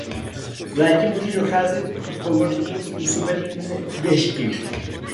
V létě může docházet k povodním způsobeným dešti.